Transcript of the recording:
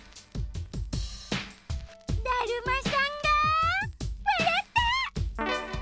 だるまさんがわらった！